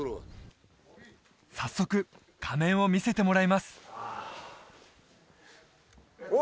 早速仮面を見せてもらいますうわ